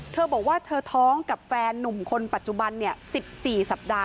เธอบอกว่าเธอท้องกับแฟนนุ่มคนปัจจุบัน๑๔สัปดาห